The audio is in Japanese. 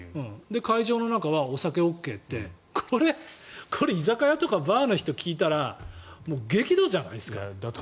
会場の中はお酒ＯＫってこれ、居酒屋とかバーの人が聞いたらだと思いますね。